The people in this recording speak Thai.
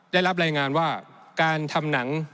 ได้รับรายงานว่าการทำหนัง